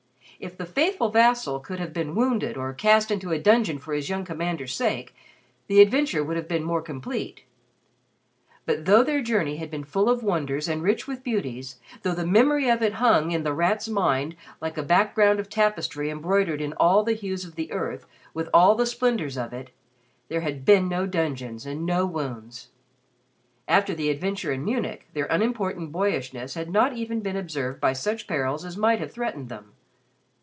If the faithful vassal could have been wounded or cast into a dungeon for his young commander's sake, the adventure would have been more complete. But though their journey had been full of wonders and rich with beauties, though the memory of it hung in The Rat's mind like a background of tapestry embroidered in all the hues of the earth with all the splendors of it, there had been no dungeons and no wounds. After the adventure in Munich their unimportant boyishness had not even been observed by such perils as might have threatened them.